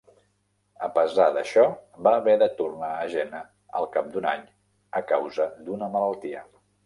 A pesar d'això, va haver de tornar a Jena al cap d'un any a causa d'una malaltia.